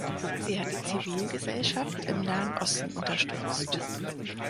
Sie hat die Zivilgesellschaft im Nahen Osten unterstützt.